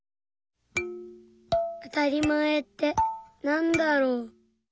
「あたりまえってなんだろう」。